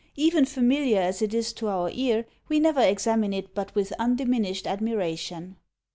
Even familiar as it is to our ear, we never examine it but with undiminished admiration.